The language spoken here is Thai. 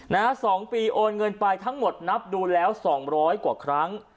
นะฮะ๒ปีโอนเงินไปทั้งหมดนับดูแล้วสองร้อยกว่าครั้ง